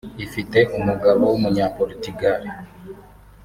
ifite umugabo w’umunya Porutigale